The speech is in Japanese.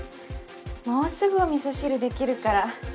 もうすぐお味噌汁できるから。